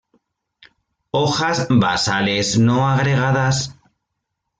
Hojas basales no agregadas.